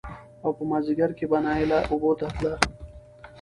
او په مازديګر کې به نايله اوبو ته تله